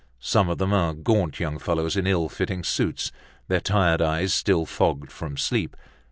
Some of them are gaunt young fellows in ill fitting suits, their tired eyes still fogged from sleep.